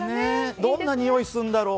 どんな匂いするんだろう。